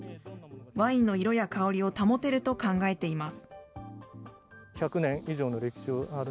ワインの色や香りを保てると考えています。